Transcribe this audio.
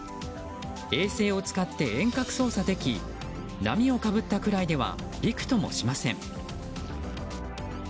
衛星を使って遠隔操作でき波をかぶったぐらいではびくともしません。